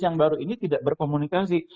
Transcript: yang baru ini tidak berkomunikasi